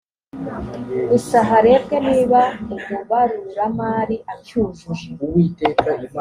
gusa harebwe niba umubaruramari acyujuje